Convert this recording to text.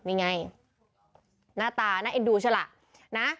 นี่ไงหน้าตาน่าเอ็ดดูใช่เหรอ